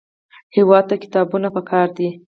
هېواد ته کتابونه پکار دي